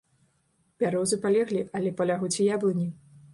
Бярозы палеглі, але палягуць і яблыні.